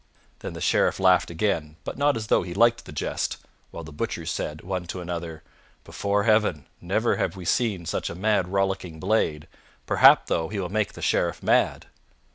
Then the Sheriff laughed again, but not as though he liked the jest, while the butchers said, one to another, "Before Heaven, never have we seen such a mad rollicking blade. Mayhap, though, he will make the Sheriff mad."